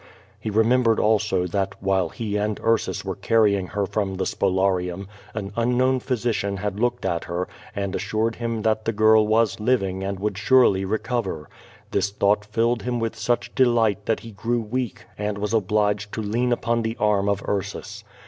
He remembered also that, while he and Ursus were carrying her from the Spoliarium, an unknown physician had looked at her and assured him that the girl was living and would surely recover. This thought filled him with such delight that he grew weak and was obliged to lean upon the arm of Ursus.